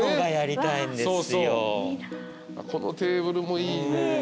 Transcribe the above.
このテーブルもいいね。